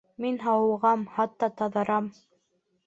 Мин һауығам, хатта таҙарам